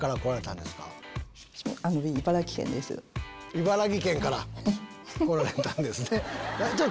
茨城県から来られたんですね。